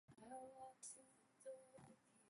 Similar ratings apply to climbs in the other major Tours.